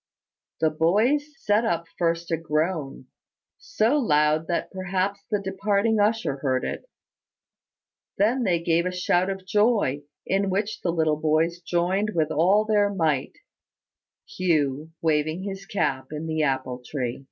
The boys set up first a groan, so loud that perhaps the departing usher heard it. Then they gave a shout of joy, in which the little boys joined with all their might Hugh waving his cap in the apple tree.